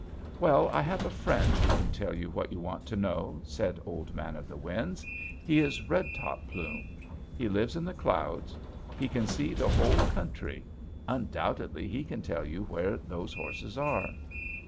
"'Well, I have a friend who can tell you what you want to know,' said Old Man of the Winds. 'He is Red Top Plume. He lives in the clouds; he can see the whole country; undoubtedly he can tell you where those horses are.'